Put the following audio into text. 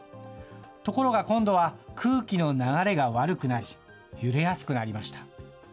ところが今度は、空気の流れが悪くなり、揺れやすくなりました。